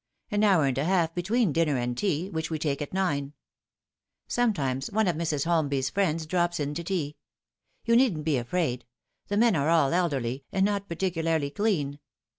An hour and a half between dinner and tea, which we take at nine. Sometimes one of Mrs. Holmby's friends drops in to tea. You needn't be afraid : the men are all elderly, and not particularly clean.